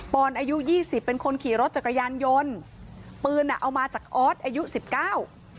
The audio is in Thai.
อนอายุยี่สิบเป็นคนขี่รถจักรยานยนต์ปืนอ่ะเอามาจากออสอายุสิบเก้า